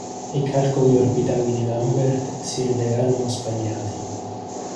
I calcoli orbitali di Lambert si rivelarono sbagliati.